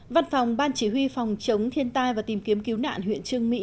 văn phòng ban chỉ huy phòng chống thiên tai và tìm kiếm cứu nạn huyện trương mỹ